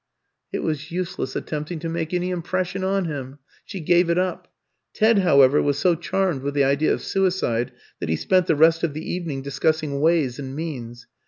It was useless attempting to make any impression on him. She gave it up. Ted, however, was so charmed with the idea of suicide that he spent the rest of the evening discussing ways and means.